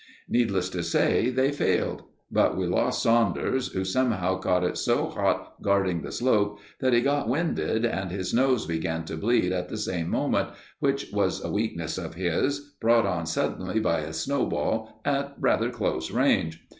Needless to say, they failed; but we lost Saunders, who somehow caught it so hot, guarding the slope, that he got winded and his nose began to bleed at the same moment, which was a weakness of his, brought on suddenly by a snowball at rather close range.